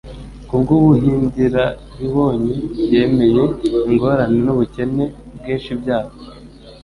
Kubw'ubundiararibonye yemeye ingorane n'ubukene bwinshi byabo,